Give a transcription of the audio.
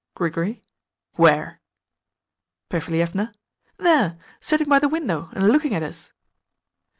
Grigory. Where? Perfilievna. There sitting by the window, and looking at us!